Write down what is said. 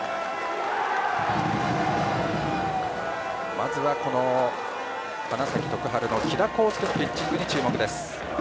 まずは、この花咲徳栄の木田康介のピッチングに注目です。